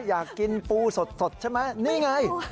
อยากกินปูสดใช่ไหมนี่ไง